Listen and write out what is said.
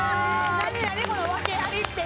何何このワケありって？